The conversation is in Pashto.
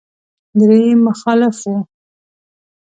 درېيم مخالف و.